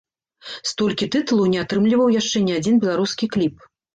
Столькі тытулаў не атрымліваў яшчэ ні адзін беларускі кліп.